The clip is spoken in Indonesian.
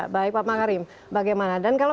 baik pak makarim bagaimana dan kalau